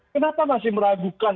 kenapa masih meragukan